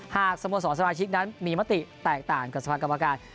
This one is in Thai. สโมสรสมาชิกนั้นมีมติแตกต่างกับสภากรรมการ